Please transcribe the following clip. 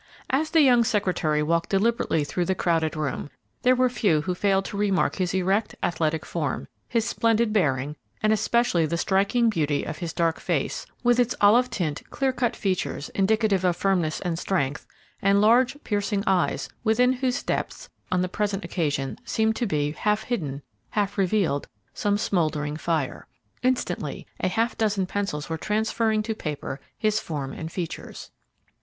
As the young secretary walked deliberately through the crowded room, there were few who failed to remark his erect, athletic form, his splendid bearing, and especially the striking beauty of his dark face, with its olive tint, clear cut features, indicative of firmness and strength, and large, piercing eyes, within whose depths, on the present occasion, there seemed to be, half hidden, half revealed, some smouldering fire. Instantly a half dozen pencils were transferring to paper his form and features.